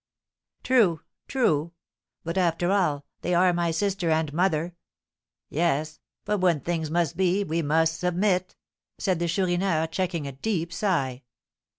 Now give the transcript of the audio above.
"True true! But, after all, they are my sister and mother!" "Yes; but when things must be, we must submit!" said the Chourineur, checking a deep sigh.